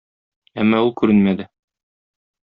Әмма ул күренмәде.